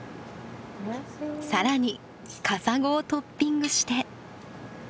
さらにカサゴをトッピングして。